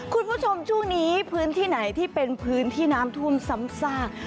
คุณผู้ชมช่วงนี้พื้นที่ไหนที่เป็นพื้นที่น้ำท่วมซ้ำซาก